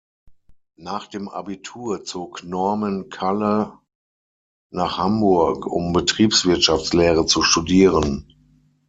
Nach dem Abitur zog Norman Kalle nach Hamburg, um Betriebswirtschaftslehre zu studieren.